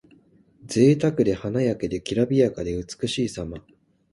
ぜいたくで華やかで、きらびやかで美しいさま。